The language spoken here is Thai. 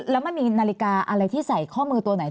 แล้วมันมีนาฬิกาอะไรที่ใส่ข้อมือตัวไหน